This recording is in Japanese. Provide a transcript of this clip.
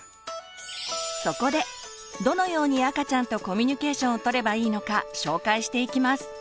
そこでどのように赤ちゃんとコミュニケーションをとればいいのか紹介していきます。